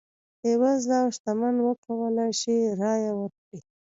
بېوزله او شتمن وکولای شي رایه ورکړي.